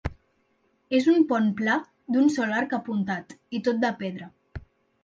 És un pont pla d'un sol arc apuntat, i tot de pedra.